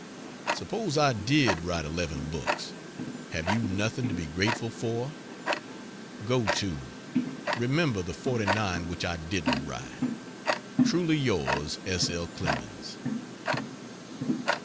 Suppose I did write eleven books, have you nothing to be grateful for? Go to remember the forty nine which I didn't write. Truly Yours S. L. CLEMENS.